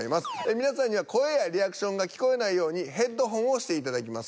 皆さんには声やリアクションが聞こえないようにヘッドホンをしていただきます。